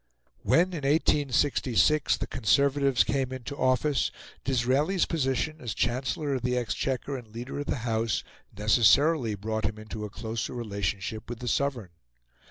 When, in 1866, the Conservatives came into office, Disraeli's position as Chancellor of the Exchequer and leader of the House necessarily brought him into a closer relation with the Sovereign.